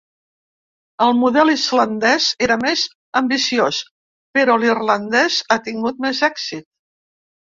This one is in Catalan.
El model islandès era més ambiciós, però l’irlandès ha tingut més èxit.